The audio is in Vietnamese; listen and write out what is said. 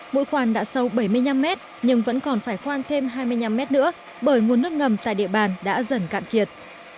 mỗi khoan đã sâu bảy mươi năm mét nhưng vẫn còn phải khoan thêm hai mươi năm mét nữa bởi nguồn nước ngầm tại địa bàn đã dần cạn kiệt